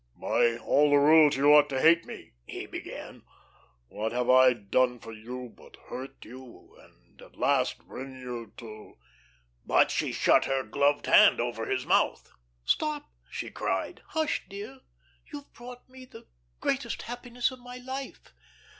"By all the rules you ought to hate me," he began. "What have I done for you but hurt you and, at last, bring you to " But she shut her gloved hand over his mouth. "Stop!" she cried. "Hush, dear. You have brought me the greatest happiness of my life."